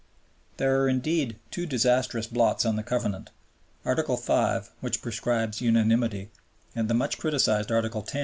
There are indeed two disastrous blots on the Covenant, Article V., which prescribes unanimity, and the much criticized Article X.